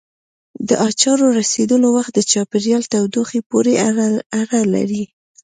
د اچارو رسېدلو وخت د چاپېریال تودوخې پورې اړه لري.